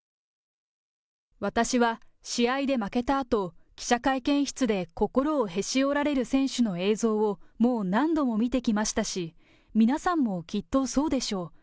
私は試合で負けたあと、記者会見室で心をへし折られる選手の映像をもう何度も見てきましたし、皆さんもきっとそうでしょう。